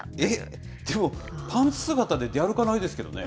でも、パンツ姿で出歩かないですけどね。